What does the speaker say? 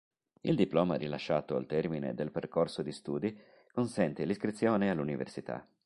Il diploma rilasciato al termine del percorso di studi consente l'iscrizione all'università.